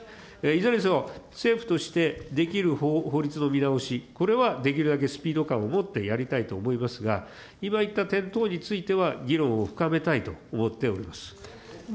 いずれにせよ、政府としてできる法律の見直し、これはできるだけスピード感を持ってやりたいと思いますが、今言った点等については、議論を深めたいと思っております。